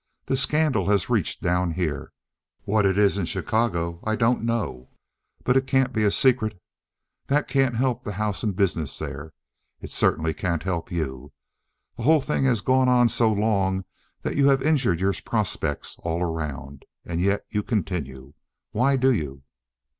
The scandal has reached down here. What it is in Chicago I don't know, but it can't be a secret. That can't help the house in business there. It certainly can't help you. The whole thing has gone on so long that you have injured your prospects all around, and yet you continue. Why do you?"